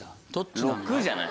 ６じゃない？